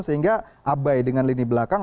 sehingga abai dengan lini belakang